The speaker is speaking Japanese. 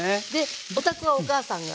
お宅はお母さんが？